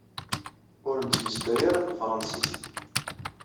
Ur nettmeslay ara tafṛansist.